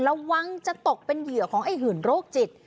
ระวังจะตกเป็นเหยื่อของไอ้หื่นโรคจิต